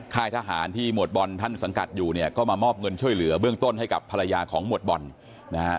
ค่ายทหารที่หมวดบอลท่านสังกัดอยู่เนี่ยก็มามอบเงินช่วยเหลือเบื้องต้นให้กับภรรยาของหมวดบอลนะฮะ